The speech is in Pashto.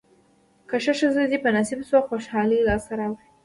که ښه ښځه دې په نصیب شوه خوشالۍ لاسته راوړې.